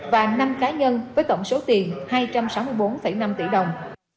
và năm cá nhân với tổng số tiền hai trăm sáu mươi bốn năm tỷ đồng